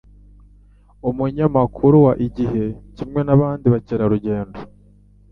umunyamakuru wa IGIHE kimwe n'abandi bakerarugendo